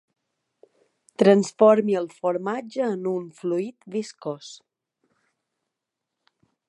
Transformi el formatge en un fluid viscós.